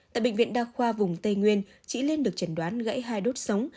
tại bệnh viện đa khoa vùng tây nguyên chị liên được chấn đoán gãy hai đốt sống